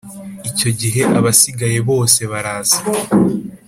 Icyo gihe abasigaye bose baraza